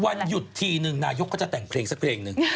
วันหยุดทีนึงนายกก็จะแต่งเพลงสักเพลงหนึ่ง